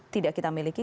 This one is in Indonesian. tidak kita miliki